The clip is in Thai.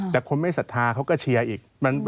แต่คนไม่ศรัทธาเขาก็เชียร์อีก